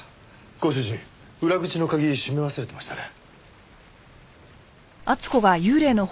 ご主人裏口の鍵閉め忘れてましたね。